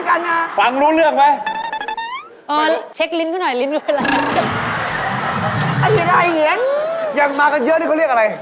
ยังมากันเยอะที่เขาเรียกอะไร